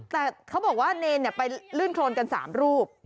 แต่เขาบอกว่าเนรไปลื่นโครนกัน๓รูป